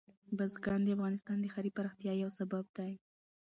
بزګان د افغانستان د ښاري پراختیا یو سبب دی.